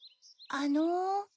あの。